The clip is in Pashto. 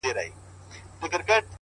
هره تجربه د ژوند ښوونځی دی.!